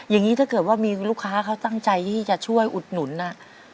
อย่างนี้ถ้าเกิดว่ามีลูกค้าเขาตั้งใจที่จะช่วยอุดหนุนน่ะ